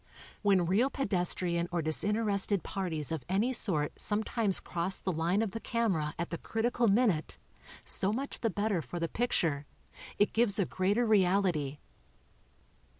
When real pedestrian or disinterested parties of any sort sometimes cross the line of the camera at the critical min ute, so much the better for the picture — it gives a greater reality.